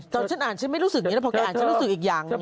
ตอนฉันอ่านฉันไม่รู้สึกอย่างนี้